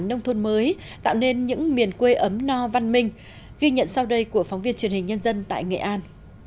nông thôn mới tạo nên những miền quê ấm no văn minh ghi nhận sau đây của phóng viên truyền hình nhân dân tại nghệ an